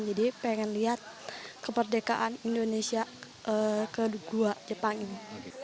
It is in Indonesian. jadi pengen lihat kemerdekaan indonesia ke gua jepang ini